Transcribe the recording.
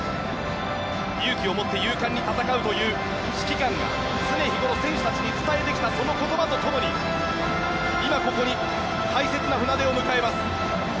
勇気を持って勇敢に戦うという指揮官が常日頃、選手たちに伝えてきたその言葉と共に今、ここに大切な船出を迎えます。